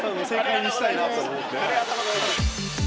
ありがとうございます。